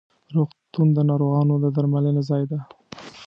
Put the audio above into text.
روغتون د ناروغانو د درملنې ځای ده.